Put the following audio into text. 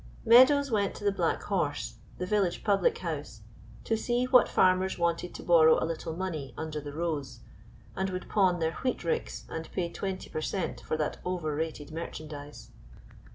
Meadows went to the "Black Horse," the village public house, to see what farmers wanted to borrow a little money under the rose, and would pawn their wheat ricks, and pay twenty per cent for that overrated merchandise.